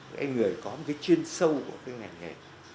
cái người có cái chuyên sâu của cái ngành nghệ